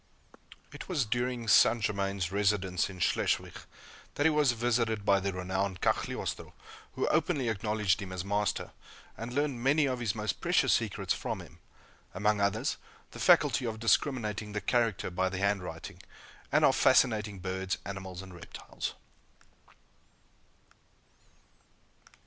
It was during St. Germain's residence in Schleswig that he was visited by the renowned Cagliostro, who openly acknowledged him as master, and learned many of his most precious secrets from him among others, the faculty of discriminating the character by the handwriting, and of fascinating birds, animals, and reptiles.